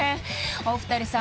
お二人さん